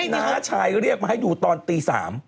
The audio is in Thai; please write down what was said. น้าชายเรียกมาให้ดูตอนตี๓